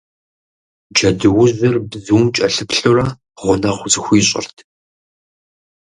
Джэдуужьыр бзум кӀэлъыплъурэ, гъунэгъу зыхуищӀырт.